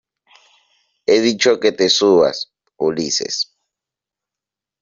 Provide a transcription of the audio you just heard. he dicho que te subas, Ulises.